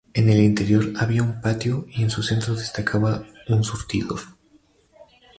En el interior había un patio y en su centro destacaba un surtidor.